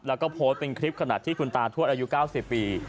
แล้วก็โพสต์เป็นคลิปขณะที่คุณตาทวดอายุ๙๐ปี